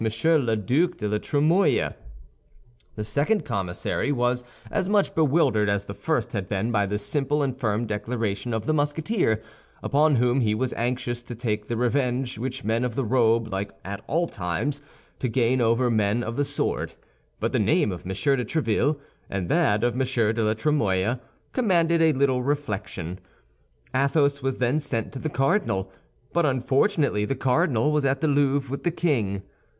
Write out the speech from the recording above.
le Duc de la Trémouille. The second commissary was as much bewildered as the first had been by the simple and firm declaration of the Musketeer, upon whom he was anxious to take the revenge which men of the robe like at all times to gain over men of the sword; but the name of M. de Tréville, and that of M. de la Trémouille, commanded a little reflection. Athos was then sent to the cardinal; but unfortunately the cardinal was at the Louvre with the king.